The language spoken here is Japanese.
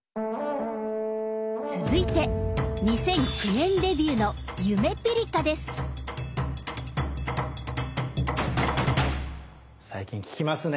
続いて２００９年デビューの最近聞きますね！